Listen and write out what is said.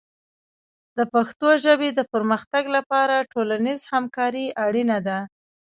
د پښتو ژبې د پرمختګ لپاره ټولنیز همکاري اړینه ده.